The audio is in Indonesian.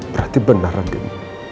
berarti benar ren